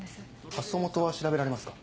発送元は調べられますか？